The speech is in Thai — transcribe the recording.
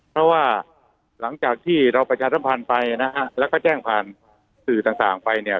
เพราะว่าหลังจากที่เราประชาสัมพันธ์ไปนะฮะแล้วก็แจ้งผ่านสื่อต่างไปเนี่ย